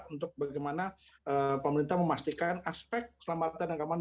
untuk bagaimana pemerintah memastikan aspek keselamatan dan keamanan